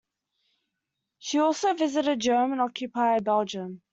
She also visited German-occupied Belgium.